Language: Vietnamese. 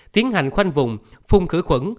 tiến hành khoanh vùng phung khử khuẩn